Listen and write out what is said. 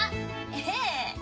ええ。